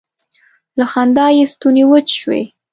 له خندا یې ستونی وچ شو.